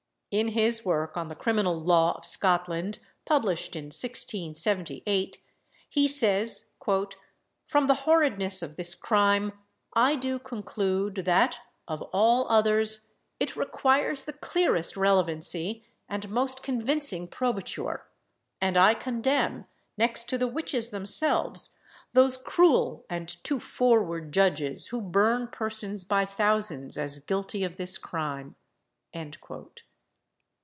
In his work on the Criminal Law of Scotland, published in 1678, he says, "From the horridness of this crime, I do conclude that, of all others, it requires the clearest relevancy and most convincing probature; and I condemn, next to the witches themselves, those cruel and too forward judges who burn persons by thousands as guilty of this crime."